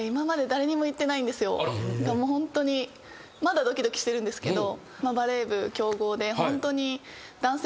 もうホントにまだドキドキしてるんですけど。